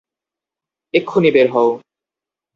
এক্ষুনি বের হও!